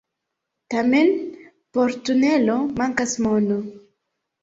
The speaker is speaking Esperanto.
Tamen por tunelo mankas mono.